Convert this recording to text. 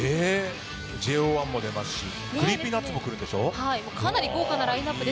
ＪＯ１も出るしＣｒｅｅｐｙＮｕｔｓも来るんでしょ？